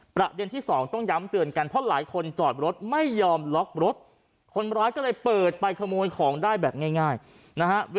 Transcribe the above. ประเด็นที่สองต้องย้ำเตือนกันเพราะหลายคนจอดรถไม่ยอมล็อกรถคนร้ายก็เลยเปิดไปขโมยของได้แบบง่ายนะฮะ